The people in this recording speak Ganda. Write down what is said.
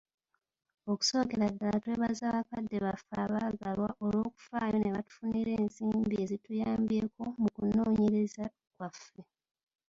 Okusookera ddala twebaza bakadde baffe abaagalwa olw'okufaayo ne batufunira ensimbi ezituyambyeko mu kunoonyereza kwaffe.